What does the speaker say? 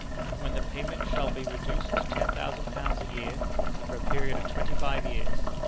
when the payment shall be reduced to ten thousand pounds a year, for a period of twenty five years.